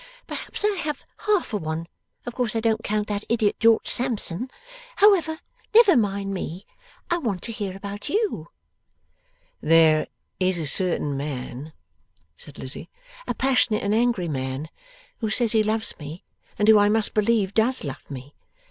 Perhaps I have half a one (of course I don't count that Idiot, George Sampson). However, never mind me. I want to hear about you.' 'There is a certain man,' said Lizzie, 'a passionate and angry man, who says he loves me, and who I must believe does love me.